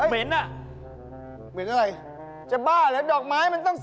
มันเหม็นอะไรวะเหม็นน่ะ